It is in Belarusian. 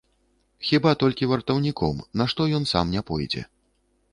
Хіба толькі вартаўніком, на што ён сам не пойдзе.